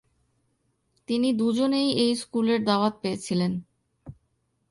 তিনি দুজনেই এই স্কুলের দাওয়াত পেয়েছিলেন।